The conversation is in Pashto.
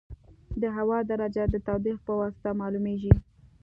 د هوا درجه د تودوخې په واسطه معلومېږي.